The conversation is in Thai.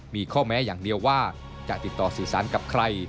มีข้อแม้อย่างเดียวว่าจะติดต่อสื่อสารกับใคร